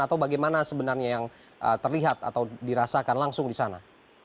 atau bagaimana sebenarnya yang terlihat atau dirasakan langsung di sana